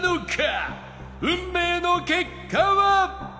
運命の結果は？